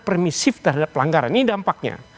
permisif terhadap pelanggaran ini dampaknya